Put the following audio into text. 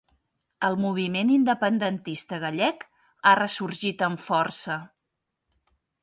El moviment independentista gallec ha ressorgit amb força.